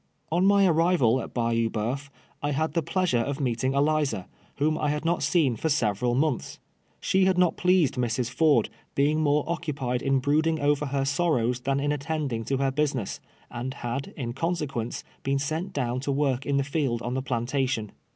On my arrival at Bayou ]>(t'uf. T had the pleasure of meeting Eliza, whom I had not seen for seTeral OVERSEER CHAPIN'. 107 montlis. She liad not pleased Mrs. Ford, being more occupied in brooding over her sorrows tlian in attend ing to her bnsiness, andliad, in conse(pience, been sent down to work in the field on the plantation.